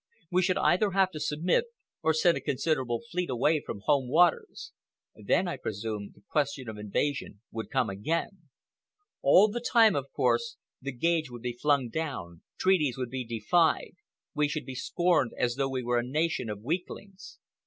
We should either have to submit or send a considerable fleet away from home waters. Then, I presume, the question of invasion would come again. All the time, of course, the gage would be flung down, treaties would be defied, we should be scorned as though we were a nation of weaklings.